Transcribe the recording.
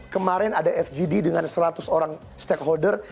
kemarin ada fgd dengan seratus orang stakeholder